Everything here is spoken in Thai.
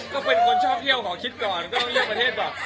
ก็เป็นคนชอบเที่ยวขอคิดก่อนก็เรียกประเทศบอก